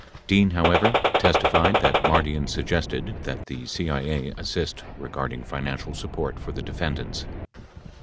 66 Dean, however, testified that Mardian suggested that the CIA assist regarding financial support for the defendants.